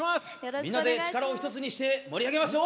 みんなで力を一つにして盛り上げますよ！